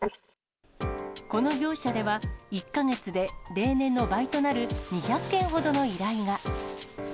この業者では、１か月で例年の倍となる２００件ほどの依頼が。